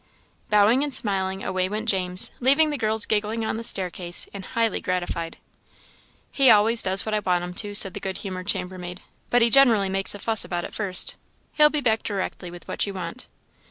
Bowing and smiling, away went James, leaving the girls giggling on the staircase, and highly gratified. "He always does what I want him to," said the good humoured chambermaid, "but he generally makes a fuss about it first. He'll be back directly with what you want."